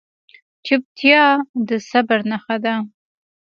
چپتیا، د صبر نښه ده.